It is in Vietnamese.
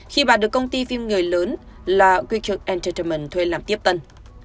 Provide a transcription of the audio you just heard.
khi bà được công ty phim người lớn là quikert entertainment thuê làm tiếp tân